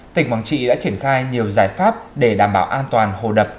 tỉnh quảng trị đã triển khai nhiều giải pháp để đảm bảo an toàn hồ đập